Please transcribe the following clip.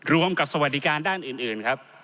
รวมกับสวัสดิการด้านอื่นครับ